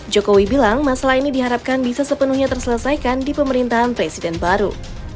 jokowi bilang masalah ini diharapkan bisa sepenuhnya terselesaikan di pemerintahan presiden baru